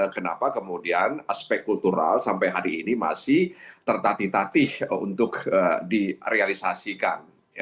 kenapa kemudian aspek kultural sampai hari ini masih tertatih tatih untuk direalisasikan